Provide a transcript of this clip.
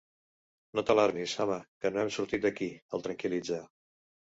No t'alarmis, home, que no hem sortit d'aquí! —el tranquil·litza.